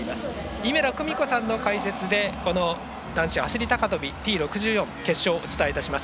井村久美子さんの解説で男子走り高跳びＴ６４決勝をお伝えします。